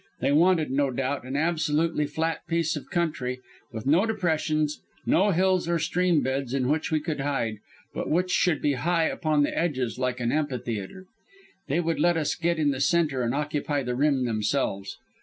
They wanted no doubt an absolutely flat piece of country, with no depressions, no hills or stream beds in which we could hide, but which should be high upon the edges, like an amphitheatre. They would get us in the centre and occupy the rim themselves.